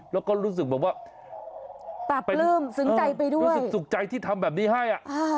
แล้วก็รู้สึกสึงใจไปด้วยสุขใจที่ทำแบบนี้ให้